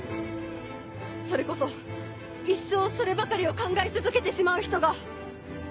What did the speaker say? それこそ一生そればかりを考え続けてしまう人が。